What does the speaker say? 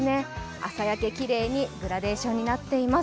朝焼け、きれいにグラデーションになっています。